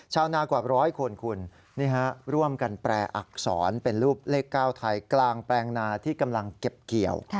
ชาวนากว่าร้อยคนคุณร่วมกันแปลอักษรเป็นรูปเลข๙ไทยกลางแปลงนาที่กำลังเก็บเกี่ยว